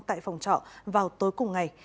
tại phòng trọ vào tối cùng ngày